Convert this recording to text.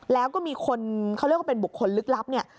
แล้วก็มีคนเขาเรียกว่าเป็นบุคคลลึกลับเนี่ย